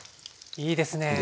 いいですね。